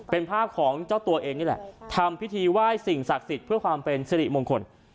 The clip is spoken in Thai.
เป็นภาพของเจ้าตัวเองนี่แหละทำพิธีไหว้สิ่งศักดิ์สิทธิ์เพื่อความเป็นสิริมงคล